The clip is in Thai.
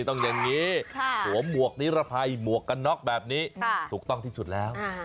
ต้องอย่างนี้สวมหมวกนิรภัยหมวกกันน็อกแบบนี้ถูกต้องที่สุดแล้ว